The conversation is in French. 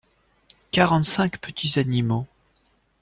Quarante-cinq petits animaux.